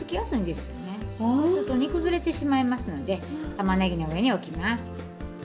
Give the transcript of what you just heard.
そうすると煮崩れてしまいますのでたまねぎの上におきます。